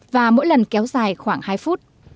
và mỗi lần kéo dài khoảng hai phút